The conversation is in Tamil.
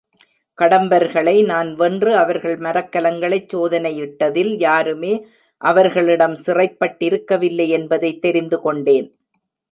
கடம்பர்களை நான் வென்று அவர்கள் மரக்கலங்களைச் சோதனையிட்டதில் யாருமே அவர்களிடம் சிறைப்பட்டிருக்கவில்லை என்பதைத் தெரிந்து கொண்டேன்.